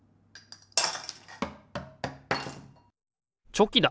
チョキだ！